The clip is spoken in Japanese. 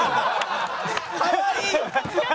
かわいい！